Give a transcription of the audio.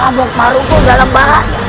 amuk marugul tidak ada